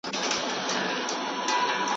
نه میرویس نه به خوشحال وي مګر نور مړونه هم سته